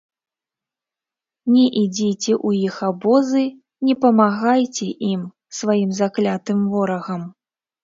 Не ідзіце ў іх абозы, не памагайце ім, сваім заклятым ворагам!